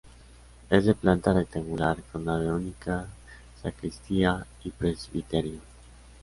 Es de planta rectangular, con nave única, sacristía y presbiterio.